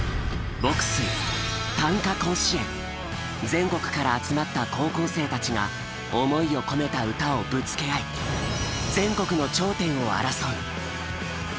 全国から集まった高校生たちが思いを込めた歌をぶつけ合い全国の頂点を争う。